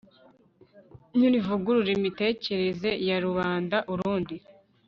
rivugurura imitegekere ya ruanda-urundi